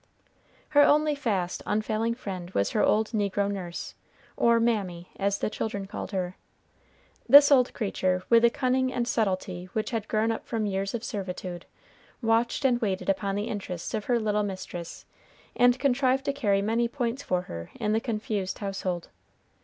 Her only fast, unfailing friend was her old negro nurse, or Mammy, as the children called her. This old creature, with the cunning and subtlety which had grown up from years of servitude, watched and waited upon the interests of her little mistress, and contrived to carry many points for her in the confused household.